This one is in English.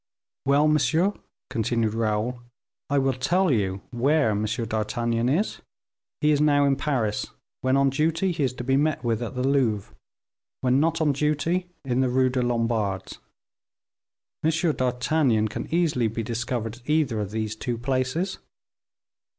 "Well, monsieur," continued Raoul, "I will tell you where M. d'Artagnan is: he is now in Paris; when on duty he is to be met with at the Louvre, when not on duty, in the Rue des Lombards. M. d'Artagnan can easily be discovered at either of those two places.